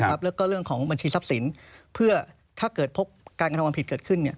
แล้วก็เรื่องของบัญชีทรัพย์สินเพื่อถ้าเกิดพบการกระทำความผิดเกิดขึ้น